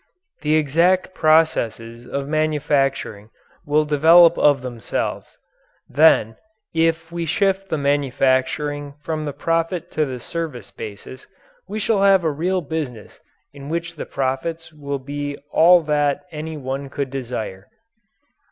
The exact processes of manufacturing will develop of themselves. Then, if we shift the manufacturing from the profit to the service basis, we shall have a real business in which the profits will be all that any one could desire.